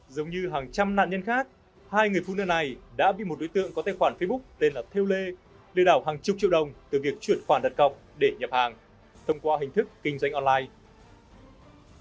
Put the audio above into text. giống như hàng trăm nạn nhân khác hai người phụ nữ này đã bị một đối tượng có tài khoản facebook tên là theo lê lừa đảo hàng chục triệu đồng từ việc chuyển khoản đặt cọc để nhập hàng thông qua hình thức kinh doanh online